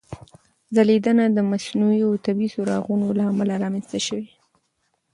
ځلېدنه د مصنوعي او طبیعي څراغونو له امله رامنځته شوې.